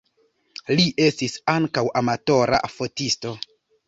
Li estis ankaŭ amatora fotisto.